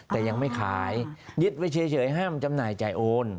แต่ยังไม่ขายยึดไว้เฉยห้ามจำหน่ายจ่ายโอน